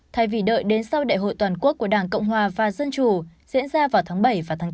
thay vì đợi đến sau đại hội toàn quốc của đảng cộng hòa và dân chủ diễn ra vào tháng bảy và tháng bốn